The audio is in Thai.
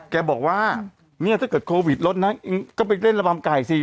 แกบอกว่าเนี่ยถ้าเกิดโควิดลดนะก็ไปเล่นระบำไก่สิ